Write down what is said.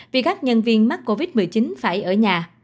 vì các nhân viên mắc covid một mươi chín phải ở nhà